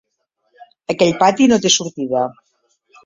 Aquell pati no té sortida.